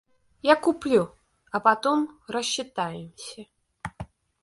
Я куплю, а потом рассчитаемся.